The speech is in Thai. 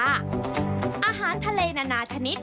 อาหารทะเลนานาชนิด